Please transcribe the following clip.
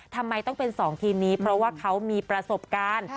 ทำไมต้องเป็น๒ทีมนี้เพราะว่าเขามีประสบการณ์